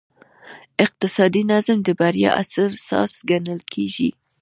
اقتصادي نظم د بریا اساس ګڼل کېږي.